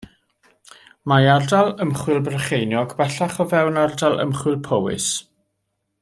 Mae Ardal Ymchwil Brycheiniog, bellach, o fewn Ardal Ymchwil Powys.